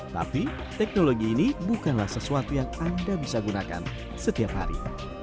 tapi teknologi ini bukanlah sesuatu yang anda bisa gunakan setiap hari